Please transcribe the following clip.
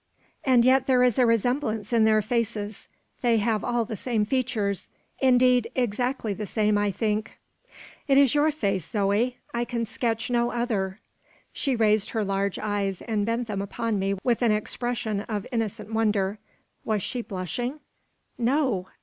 and yet there is a resemblance in their faces! They have all the same features; indeed, exactly the same, I think." "It is your face, Zoe; I can sketch no other." She raised her large eyes, and bent them upon me with an expression of innocent wonder. Was she blushing? No!